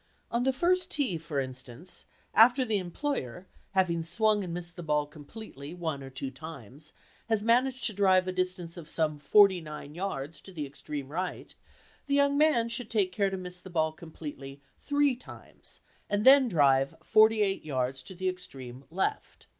On the first tee, for instance, after the employer, having swung and missed the ball completely one or two times, has managed to drive a distance of some forty nine yards to the extreme right, the young man should take care to miss the ball completely three times, and then drive forty eight yards to the extreme left.